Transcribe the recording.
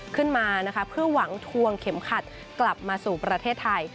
ขึ้นมานะคะเพื่อหวังทวงเข็มขัดกลับมาสู่ประเทศไทย